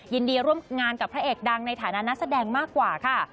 ยินดีร่วมงานกับพระเอกดังในฐานะนักแสดงมากกว่าค่ะ